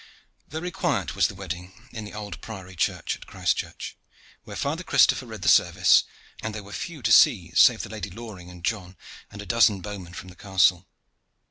Very quiet was the wedding in the old priory church at Christchurch, where Father Christopher read the service, and there were few to see save the Lady Loring and John, and a dozen bowmen from the castle.